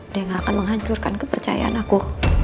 dia gak akan menghancurkan kepercayaan aku